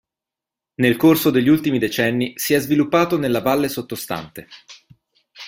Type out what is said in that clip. Nel corso degli ultimi decenni si è sviluppato nella valle sottostante.